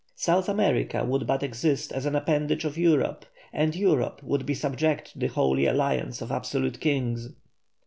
South America would but exist as an appendage of Europe, and Europe would be subject to the Holy Alliance of absolute kings.